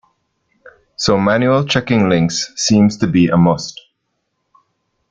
So manual checking links seems to be a must.